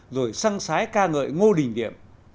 rồi săng sái ca ngợi ngô đình điệm